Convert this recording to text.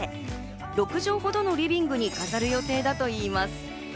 ６畳ほどのリビングに飾る予定だといいます。